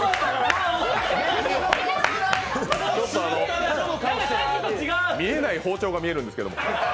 ちょっと見えない包丁が見えるんですけども。